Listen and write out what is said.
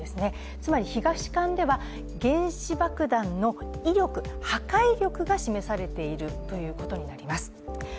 つまり東館では原子爆弾の威力、破壊力が示されていることになります。